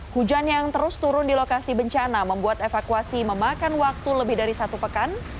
hujan yang terus turun di lokasi bencana membuat evakuasi memakan waktu lebih dari satu pekan